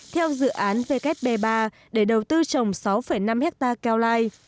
theo dự án vkp ba để đầu tư trồng sáu năm hectare cao lai